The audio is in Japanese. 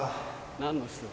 何の人だ？